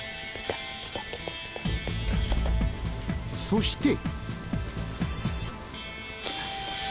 そして。